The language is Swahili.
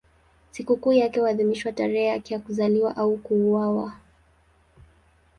Sikukuu yake huadhimishwa tarehe yake ya kuzaliwa au ya kuuawa.